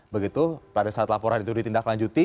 begitu pada saat laporan itu ditindaklanjuti